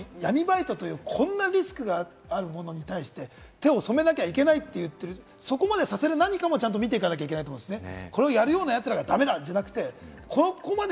あとこの時に闇バイトというこんなリスクがあるものに対して、手を染めなきゃいけないという、そこまでさせる何かもちゃんと見ていかなきゃいけないと思いますね。